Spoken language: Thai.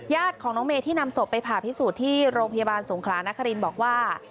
ญาติของน้องเมย์ที่นำศพไปผ่าพิสูจน์ที่โรงพยาบาลสงขลานครินบอกว่า